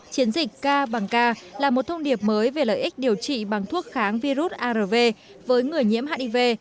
chiến dịch k bằng k là một thông điệp mới về lợi ích điều trị bằng thuốc kháng virus arv với người nhiễm hiv